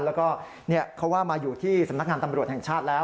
แล้วก็เขาว่ามาอยู่ที่สำนักงานตำรวจแห่งชาติแล้ว